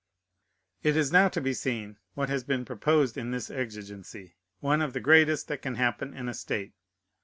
It is now to be seen what has been proposed in this exigency, one of the greatest that can happen in a state.